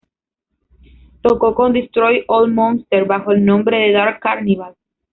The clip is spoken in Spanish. Tocó con Destroy All Monsters, bajo el nombre de Dark Carnival.